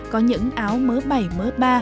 có những áo mớ bảy mớ ba